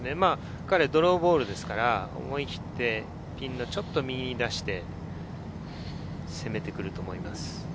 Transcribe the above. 彼はドローボールですから、思い切ってピンのちょっと右に出して攻めてくると思います。